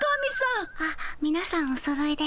あっみなさんおそろいで。